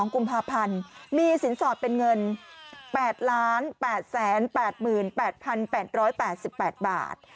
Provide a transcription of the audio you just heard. ๒๒กุมภาพันธ์